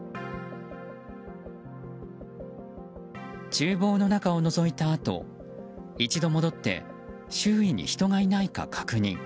厨房の中をのぞいたあと一度戻って周囲に人がいないか確認。